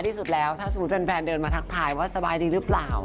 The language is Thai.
ถ้าสมมุติแฟนเดินมาทักทายว่าสบายดีหรือเปล่า